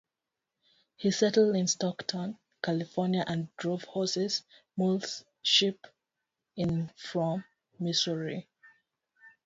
He settled in Stockton, California and drove horses, mules, and sheep in from Missouri.